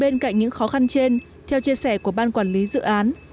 bên cạnh những khó khăn trên theo chia sẻ của ban quản lý dự án